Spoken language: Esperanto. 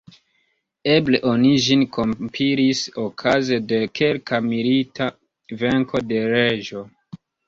Eble oni ĝin kompilis okaze de kelka milita venko de reĝo.